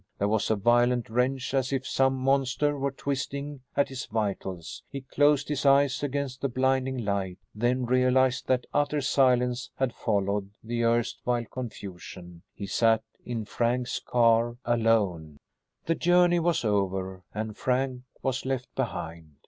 There was a violent wrench as if some monster were twisting at his vitals. He closed his eyes against the blinding light, then realized that utter silence had followed the erstwhile confusion. He sat in Frank's car alone. The journey was over, and Frank was left behind.